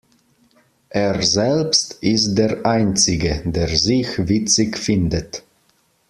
Er selbst ist der Einzige, der sich witzig findet.